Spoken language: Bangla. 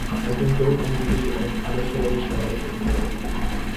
একজন তরুণ আইনজীবী এবং আদর্শবাদী সহকারী মামলাটি গ্রহণ করেন।